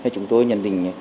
chúng tôi nhận định